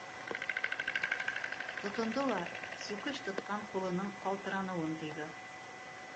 Тотондо ла, сүкеш тотҡан ҡулының ҡалтыраныуын тойҙо.